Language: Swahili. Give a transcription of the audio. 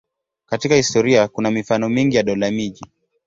Katika historia kuna mifano mingi ya dola-miji.